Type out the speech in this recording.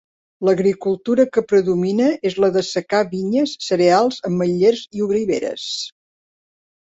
L'agricultura que predomina és la de secà -vinyes, cereals ametllers i oliveres-.